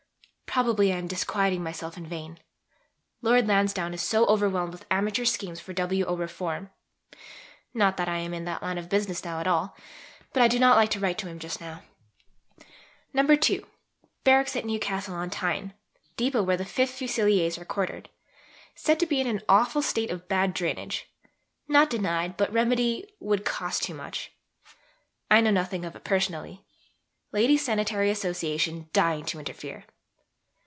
Probably I am disquieting myself in vain. Lord Lansdowne is so overwhelmed with amateur schemes for W. O. reform not that I am in that line of business now at all; but I do not like to write to him just now. (ii.) Barracks at Newcastle on Tyne, depot where 5th Fusiliers are quartered, said to be in an awful state of bad drainage: not denied, but remedy "would cost too much." I know nothing of it personally. "Ladies Sanitary Association" dying to interfere.